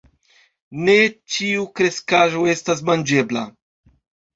Ne ĉiu kreskaĵo estas manĝebla.